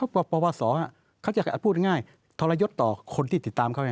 ประวัติศาสตร์เขาจะพูดง่ายทรยศต่อคนที่ติดตามเขา